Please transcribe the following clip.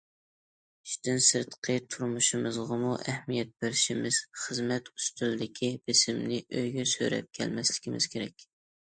ئىشتىن سىرتقى تۇرمۇشىمىزغىمۇ ئەھمىيەت بېرىشىمىز، خىزمەت ئۈستىلىدىكى بېسىمنى ئۆيگە سۆرەپ كەلمەسلىكىمىز كېرەك.